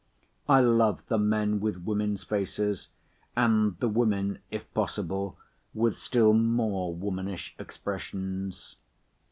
I love the men with women's faces, and the women, if possible, with still more womanish expressions.